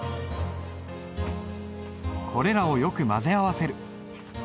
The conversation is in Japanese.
これらをよく混ぜ合わせる。